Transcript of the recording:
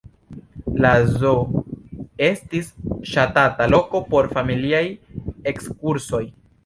La zoo estis ŝatata loko por familiaj ekskursoj.